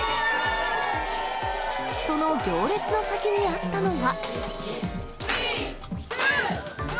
その行列の先にあったのは。